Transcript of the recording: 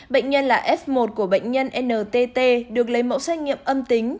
bệnh nhân là f một của bệnh nhân ntt được lấy mẫu xét nghiệm âm tính